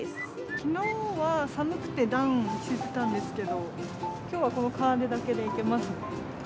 きのうは寒くてダウン着せてたんですけれども、きょうはこのカーデだけでいけますね。